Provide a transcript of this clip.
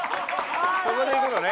ここでいくのね。